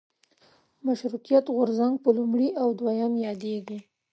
مشروطیت غورځنګ په لومړي او دویم یادېږي.